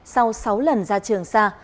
sau sáu lần ra trường xa